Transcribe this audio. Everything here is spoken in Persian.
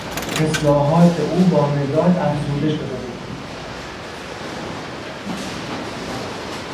اصلاحات او با مداد افزوده شده بود.